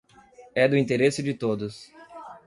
É do interesse de todos.